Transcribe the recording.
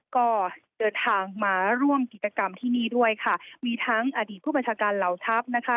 ก็เดินทางมาร่วมกิจกรรมที่นี่ด้วยค่ะมีทั้งอดีตผู้บัญชาการเหล่าทัพนะคะ